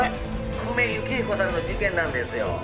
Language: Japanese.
久米幸彦さんの事件なんですよ